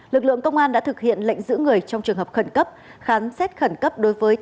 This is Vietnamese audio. lực lượng công an đã thực hiện lệnh giữ người trong trường hợp khẩn cấp